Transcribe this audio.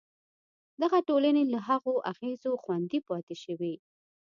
دغه ټولنې له هغو اغېزو خوندي پاتې شوې.